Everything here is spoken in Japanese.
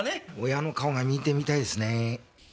親の顔が見てみたいですね。